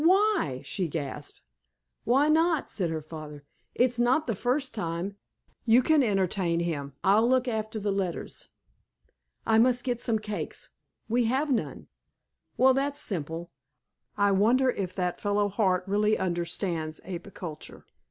Why?" she gasped. "Why not!" said her father. "It's not the first time. You can entertain him. I'll look after the letters." "I must get some cakes. We have none." "Well, that's simple. I wonder if that fellow Hart really understands apiaculture?